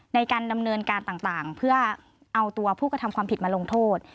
ในการดำเนินการต่างเพื่อเอาตัวผู้กระทำความผิดมาลงโทษ